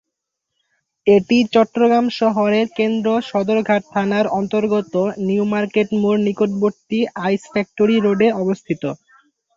এটি চট্টগ্রাম শহরের কেন্দ্র সদরঘাট থানার অন্তর্গত নিউ মার্কেট মোড় নিকটবর্তী আইস্ ফ্যাক্টরী রোডে অবস্থিত।